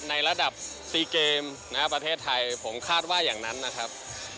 ในระดับ๔เกมนะครับประเทศไทยผมคาดว่าอย่างนั้นนะครับ